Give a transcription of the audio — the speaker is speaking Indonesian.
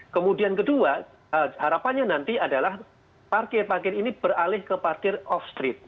kemudian kedua harapannya nanti adalah parkir parkir ini beralih ke parkir off street